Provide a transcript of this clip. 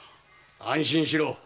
安心しろ。